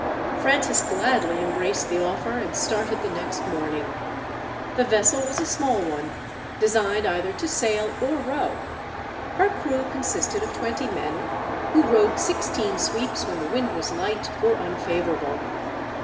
Francis gladly embraced the offer, and started the next morning. The vessel was a small one, designed either to sail or row. Her crew consisted of twenty men, who rowed sixteen sweeps when the wind was light or unfavourable.